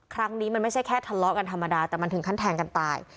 ครั้งนี้มันไม่ใช่แค่ทะเลาะกันธรรมดาแต่มันถึงขั้นแทงกันตาย